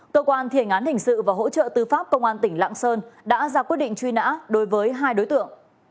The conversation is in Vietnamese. cơ quan thi hành án hình sự và hỗ trợ tư pháp công an tỉnh lạng sơn đã ra quyết định truy nã đối với hai đối tượng